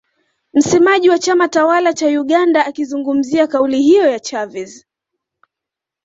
Msemaji wa chama tawala cha Uganda akizungumzia kauli hiyo ya Chavez